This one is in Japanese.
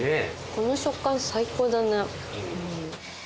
この食感最高だね。